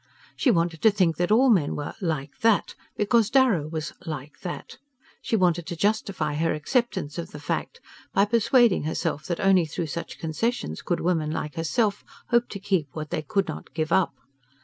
She wanted to think that all men were "like that" because Darrow was "like that": she wanted to justify her acceptance of the fact by persuading herself that only through such concessions could women like herself hope to keep what they could not give up.